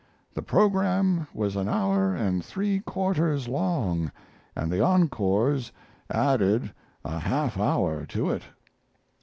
The program was an hour and three quarters long and the encores added a half hour to it.